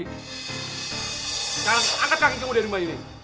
sekarang angkat kaki kamu dari rumah ini